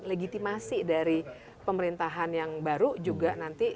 legitimasi dari pemerintahan yang baru juga nanti